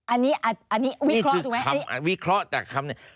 อันนี้วิเคราะห์ถูกไหมวิเคราะห์จากคำนี้